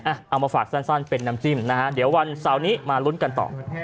เอามาฝากสั้นเป็นน้ำจิ้มนะฮะเดี๋ยววันเสาร์นี้มาลุ้นกันต่อ